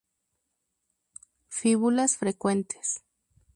Fíbulas frecuentes.